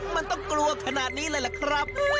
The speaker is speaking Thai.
มันต้องกลัวขนาดนี้เลยล่ะครับ